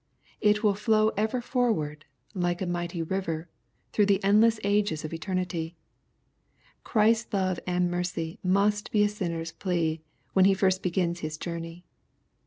It will flow ever forward, like a mighty river, through the endless ages of eternity. Christ's love and mercy must be a sinner's plea when he first begins his journey.